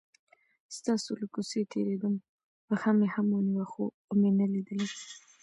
ستاسو له کوڅې تیرېدم، پښه مې هم ونیوه خو ومې نه لیدلې.